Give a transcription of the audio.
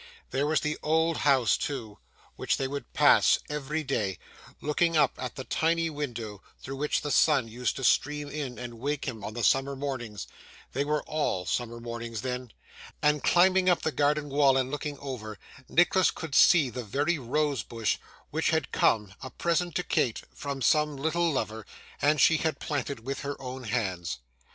There was the old house too, which they would pass every day, looking up at the tiny window through which the sun used to stream in and wake him on the summer mornings they were all summer mornings then and climbing up the garden wall and looking over, Nicholas could see the very rose bush which had come, a present to Kate, from some little lover, and she had planted with her own hands.